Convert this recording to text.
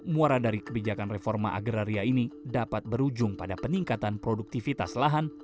muara dari kebijakan reforma agraria ini dapat berujung pada peningkatan produktivitas lahan